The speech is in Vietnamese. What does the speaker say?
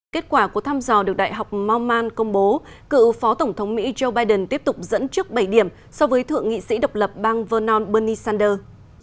kết quả của thăm dò được đại học mauman công bố cựu phó tổng thống mỹ joe biden tiếp tục dẫn trước bảy điểm so với thượng nghị sĩ độc lập bang venon bernie sanders